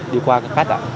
đi qua các khách ạ